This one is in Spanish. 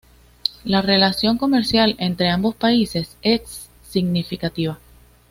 La relación comercial entre ambos países es significativa.